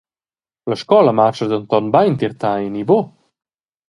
La scola marscha denton bein tier tei, ni buc?